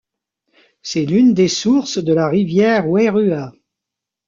C’est l’une des sources de la rivière Wairua.